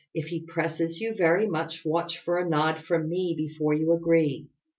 If he presses you very much watch for a nod from me before you agree."